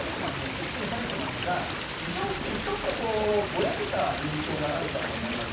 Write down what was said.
スッキリ晴れてますが地上付近ちょっとぼやけた印象があるかと思います。